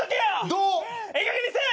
「怒」ええかげんにせえ！